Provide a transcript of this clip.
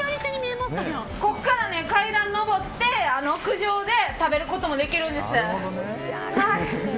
階段上って屋上で食べることもできるんです。